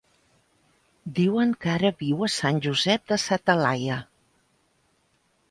Diuen que ara viu a Sant Josep de sa Talaia.